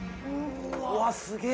うわすげぇ。